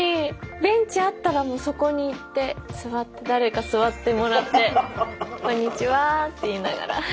ベンチあったらもうそこに行って誰か座ってもらって「こんにちは」って言いながら。